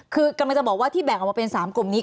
คือกำลังจะบอกว่าที่แบ่งออกมาเป็น๓กลุ่มนี้